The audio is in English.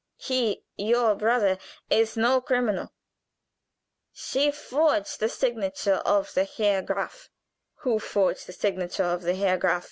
He, your brother, is no criminal. She forged the signature of the Herr Graf " "Who forged the signature of the Herr Graf?"